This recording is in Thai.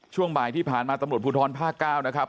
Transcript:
ช่วงบ่ายที่ผ่านมาตำรวจภูทรภาค๙นะครับ